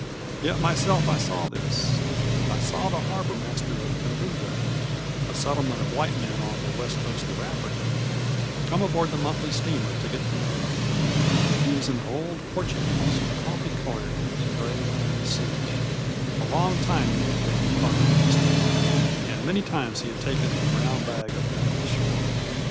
Yet myself I saw this: I saw the harbor master of Kabinda, a settlement of white men on the west coast of Africa, come aboard the monthly steamer to get the mail. He was an old Portuguese, coffee colored in his gray linen suit. A long time he had been harbor master, and many times he had taken the brown bag of mail ashore.